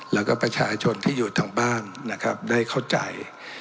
แล้วก็ประชาชนที่อยู่ทางบ้านนะครับได้เข้าใจ